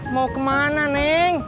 mau kemana neng